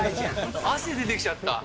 汗出てきちゃった。